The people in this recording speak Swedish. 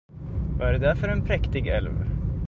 Vad är det där för en präktig älv?